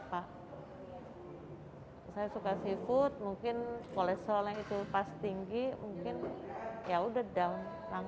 saya suka seafood mungkin kolesterol yang itu pas tinggi mungkin yaudah down langsung